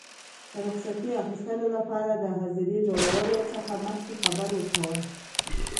د رخصتي اخیستلو لپاره د حاضرۍ جوړولو څخه مخکي خبر ورکول.